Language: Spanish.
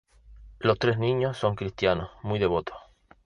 Los tres niños son cristianos muy devotos.